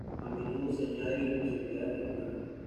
A menudo se añaden especialidades regionales.